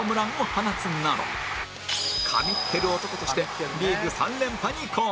放つなど神ってる男としてリーグ３連覇に貢献